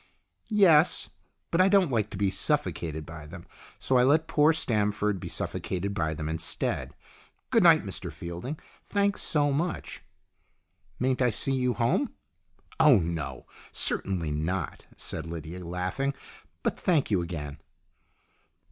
" Yes, but I don't like to be suffocated by them. So I let poor Stamford be suffocated by them instead. Good night, Mr Fielding. Thanks so much." " Mayn't I see you home ?"" Oh, no ! Certainly not," said Lydia, laughing. " But thank you again."